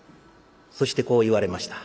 そしてこう言われました。